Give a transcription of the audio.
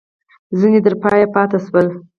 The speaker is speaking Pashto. ځیني تر پایه پاته شول.